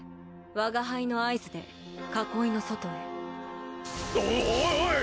我が輩の合図で囲いの外へおおい